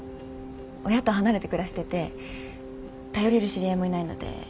親と離れて暮らしてて頼れる知り合いもいないので一人で。